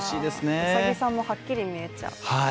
うさぎさんもはっきり見えちゃう。